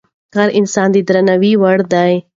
هر انسان د درناوي وړ دی.